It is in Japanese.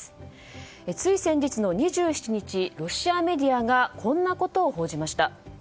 つい先日の２７日ロシアメディアがこんなことを報じました。